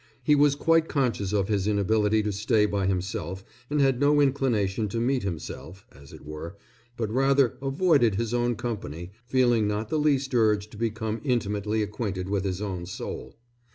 He was quite conscious of his inability to stay by himself and had no inclination to meet himself, as it were, but rather avoided his own company, feeling not the least urge to become intimately acquainted with his own soul.